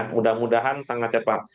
mudah mudahan sangat cepat